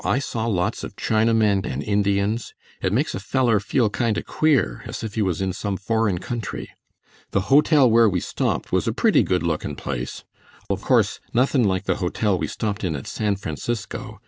I saw lots of Chinamen and Indians. It makes a feller feel kind o' queer as if he was in some foreign country. The hotel where we stopped was a pretty good lookin' place. Of course nothin' like the hotel we stopped at in San Francisco.